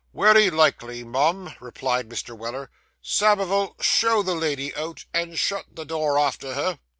'Wery likely, mum,' replied Mr. Weller. 'Samivel, show the lady out, and shut the door after her.